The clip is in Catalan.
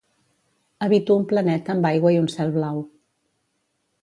Habito un planeta amb aigua i un cel blau.